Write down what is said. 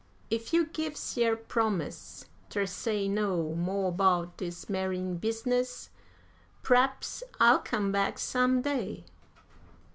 If you gives yer promise ter say no mo' 'bout dis marryin' business, p'r'aps I'll come back some day.